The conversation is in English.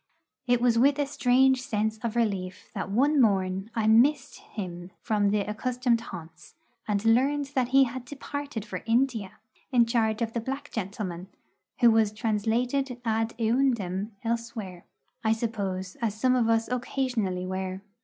It was with a strange sense of relief that one morn I missed him from the accustomed haunts, and learned that he had departed for India in charge of the black gentleman, who was translated ad eundem elsewhere, I suppose, as some of us occasionally were.